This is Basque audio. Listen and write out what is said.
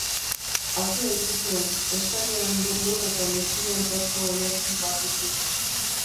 Atea itxi zuen, eskaileran beldur eta mesfidantzazko oihartzun bat utziz.